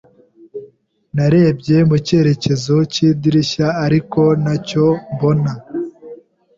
Narebye mu cyerekezo cy'idirishya, ariko ntacyo mbona.